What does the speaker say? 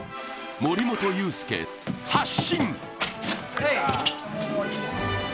森本裕介発進！